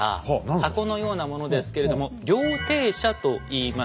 箱のようなものですけれども「量程車」といいます。